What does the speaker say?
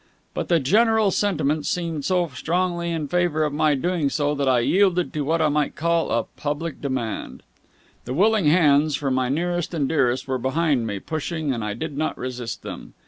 But the general sentiment seemed so strongly in favour of my doing so that I yielded to what I might call a public demand. The willing hands for my nearest and dearest were behind me, pushing, and I did not resist them.